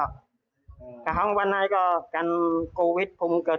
ถ้าไม่มีกินยังไงก็ต้องมาเมืองไทยอีกนั่นแหละ